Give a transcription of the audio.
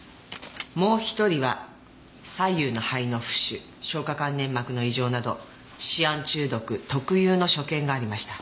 もう１人は左右の肺の浮腫消化管粘膜の異常などシアン中毒特有の所見がありました。